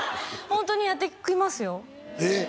ホントにやって来ますよえっ？